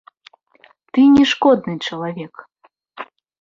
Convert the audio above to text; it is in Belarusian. Ты не шкодны чалавек.